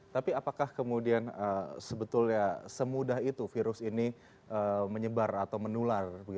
tapi apakah kemudian sebetulnya semudah itu virus ini menyebar atau menular